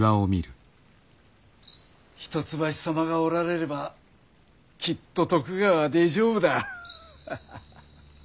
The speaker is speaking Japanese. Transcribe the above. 一橋様がおられればきっと徳川は大丈夫だ。